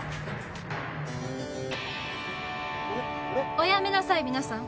おやめなさい皆さん。